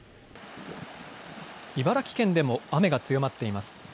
茨城県でも雨が強まっています。